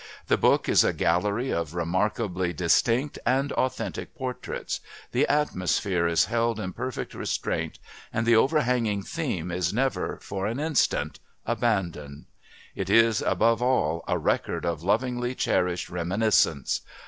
The book is a gallery of remarkably distinct and authentic portraits, the atmosphere is held in perfect restraint, and the overhanging theme is never, for an instant, abandoned. It is, above all, a record of lovingly cherished reminiscence.